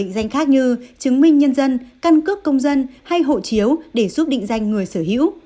định danh khác như chứng minh nhân dân căn cước công dân hay hộ chiếu để giúp định danh người sở hữu